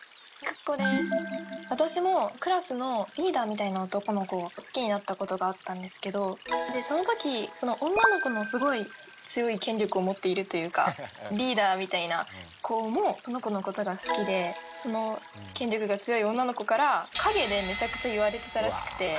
私もクラスのリーダーみたいな男の子を好きになったことがあったんですけどそのとき女の子のすごい強い権力を持っているというかリーダーみたいな子もその子のことが好きでその権力が強い女の子から陰でめちゃくちゃ言われてたらしくて私のことを。